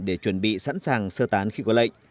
để chuẩn bị sẵn sàng sơ tán khi có lệnh